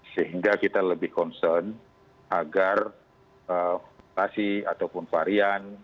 sehingga kita lebih concern agar mutasi ataupun varian